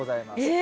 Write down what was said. え！